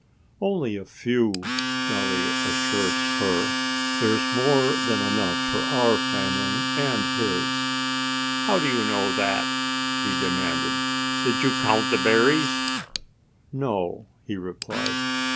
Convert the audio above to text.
"Only a few!" Jolly assured her. "There's more than enough for our family and his." "How do you know that?" she demanded. "Did you count the berries?" "No!" he replied.